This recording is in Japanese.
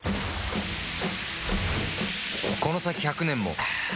この先１００年もアーーーッ‼